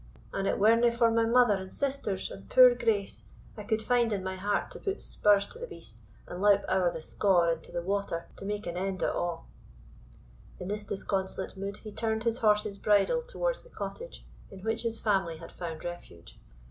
An it werena for my mother and sisters, and poor Grace, I could find in my heart to put spurs to the beast, and loup ower the scaur into the water to make an end o't a'." In this disconsolate mood he turned his horse's bridle towards the cottage in which his family had found refuge.